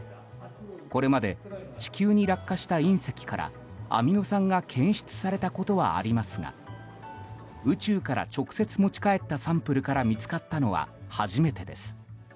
これまで地球に落下した隕石からアミノ酸が検出されたことはありますが宇宙から直接持ち帰ったサンプルから見つかったのは初めてです。